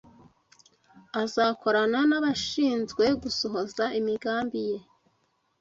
Azakorana n’abashinzwe gusohoza imigambi Ye